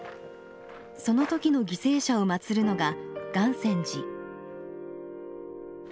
その時の犠牲者をまつるのが岩泉寺。